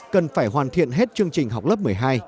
cần phải hoàn thiện hết chương trình học lớp một mươi hai